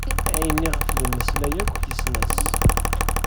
Ayen i ɣef yemmeslay akk, yessen-as.